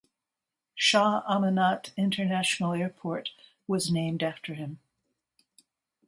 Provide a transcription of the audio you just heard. Shah Amanat International Airport was named after him.